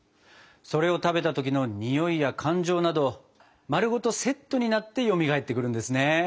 それを食べた時のにおいや感情など丸ごとセットになってよみがえってくるんですね。